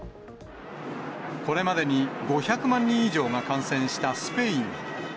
これまでに５００万人以上が感染したスペイン。